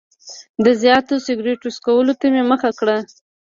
د زیاتو سګرټو څکولو ته مې مخه کړه.